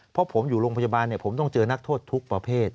เพราะผมอยู่โรงพยาบาลผมต้องเจอนักโทษทุกประเภท